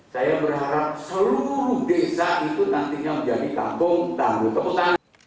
saya berharap seluruh desa itu nantinya menjadi kampung tanggung